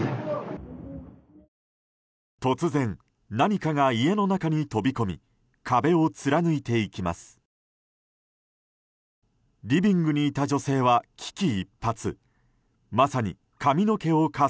突然、何かが家の中に飛び込み壁を貫いていきます。